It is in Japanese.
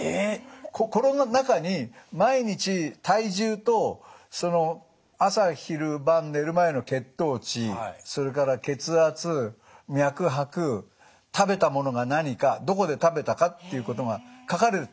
この中に毎日体重と朝昼晩寝る前の血糖値それから血圧脈拍食べたものが何かどこで食べたかということが書かれる。